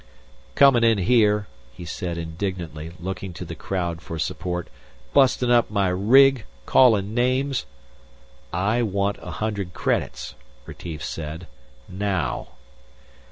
"Comin' in here," he said indignantly, looking to the crowd for support. "Bustin' up my rig, callin' names...." "I want a hundred credits," Retief said. "Now."